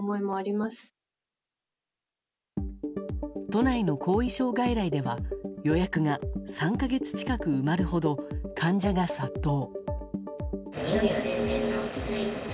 都内の後遺症外来では予約が３か月近く埋まるほど患者が殺到。